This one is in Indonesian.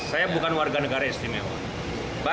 saya bukan warga negara istimewa